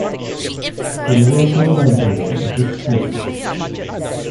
There is also a library at the Brooks Campus.